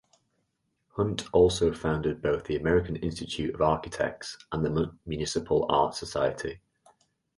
Hunt also founded both the American Institute of Architects and the Municipal Art Society.